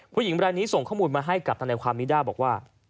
ผู้หญิงในเวลานี้ส่งข้อมูลมาให้กับคัมนิด้าบอกว่า